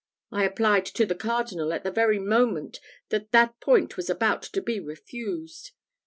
I applied to the Cardinal at the very moment that that point was about to be refused.